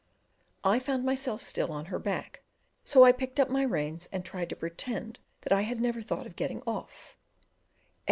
I found myself still on her back; so I picked up my reins and tried to pretend that I had never thought of getting off.